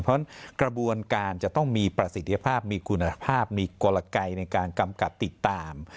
เพราะฉะนั้นกระบวนการจะต้องมีประสิทธิภาพมีคุณภาพมีกลไกในการกำกับติดตาม